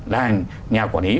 là nhà quản lý